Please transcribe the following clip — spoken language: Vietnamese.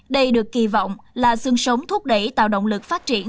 đây được kỳ vọng là sương sống thúc đẩy tạo động lực phát triển